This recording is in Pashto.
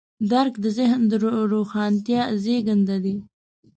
درک د ذهن د روښانتیا زېږنده دی.